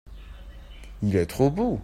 il est trop beau.